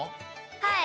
はい！